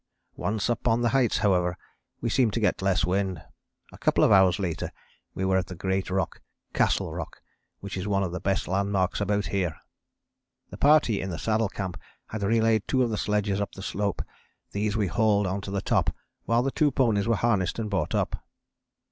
Once up on the Heights, however, we seemed to get less wind. A couple of hours later we were at the great rock, Castle Rock, which is one of the best landmarks about here. The party in the Saddle Camp had relayed two of the sledges up the slope; these we hauled on to the top while the two ponies were harnessed and brought up.